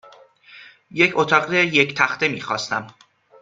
یک اتاق یک تخته میخواستم.